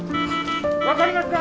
分かりますか？